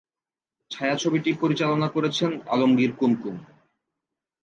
ছায়াছবিটি পরিচালনা করেছেন আলমগীর কুমকুম।